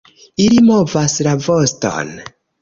Ili movas la voston.